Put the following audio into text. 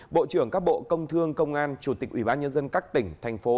bộ trưởng các bộ công thương công an chủ tịch ủy ban nhân dân các tỉnh thành phố